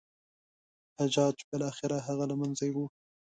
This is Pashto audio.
حجاج بالاخره هغه له منځه یووړ.